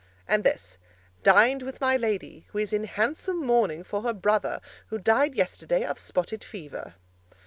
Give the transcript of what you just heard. And this: 'Dined with my lady who is in handsome mourning for her brother who died yesterday of spotted fever.'